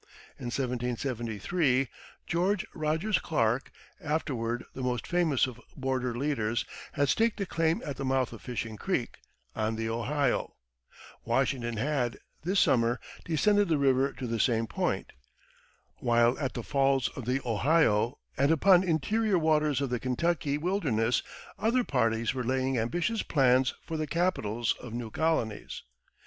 In 1773 George Rogers Clark, afterward the most famous of border leaders, had staked a claim at the mouth of Fishing Creek, on the Ohio; Washington had, this summer, descended the river to the same point; while at the Falls of the Ohio, and upon interior waters of the Kentucky wilderness, other parties were laying ambitious plans for the capitals of new colonies.